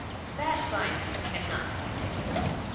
'''* That blindness cannot continue.